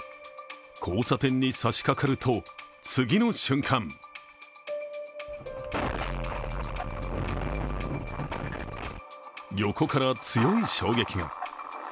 交差点に差しかかると、次の瞬間横から強い衝撃が。